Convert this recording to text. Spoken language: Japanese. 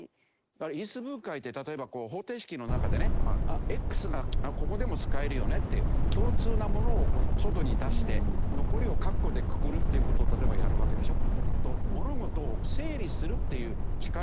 因数分解って例えば方程式の中でねＸがここでも使えるよねって共通なものを外に出して残りをかっこでくくるっていう事を例えばやるわけでしょ。